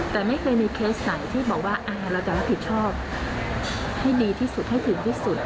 แต่ไม่เคยมีเคสไหนที่บอกว่าเราจะรับผิดชอบให้ดีที่สุดให้ถึงที่สุด